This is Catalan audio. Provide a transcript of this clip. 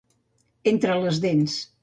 Entre les dents.